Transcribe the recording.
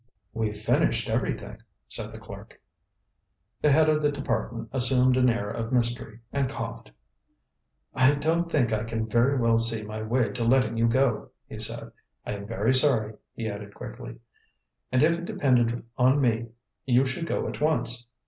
"We've finished everything," said the clerk. The Head of the Department assumed an air of mystery and coughed. "I don't think I can very well see my way to letting you go," he said. "I am very sorry," he added quickly, "and if it depended on me you should go at once.